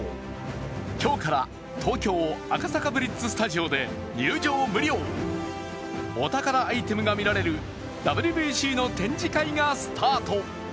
今日から東京・赤坂ＢＬＩＴＺスタジオで入場無料、お宝アイテムが見られるＷＢＣの展示会がスタート。